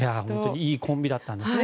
いいコンビだったんですね。